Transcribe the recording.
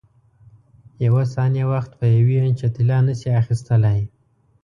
یوه ثانیه وخت په یوې انچه طلا نه شې اخیستلای.